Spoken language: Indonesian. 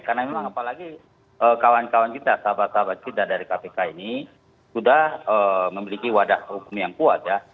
karena memang apalagi kawan kawan kita sahabat sahabat kita dari kpk ini sudah memiliki wadah hukum yang kuat ya